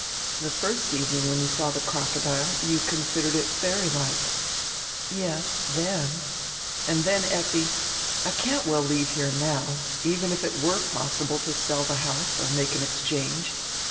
"The first evening, when you saw the crocodile, you con sidered it fairy like —" "Yes, then." "And dien, Effi, I can't well leave here now, even if it were possible to sell the house or make an exchange.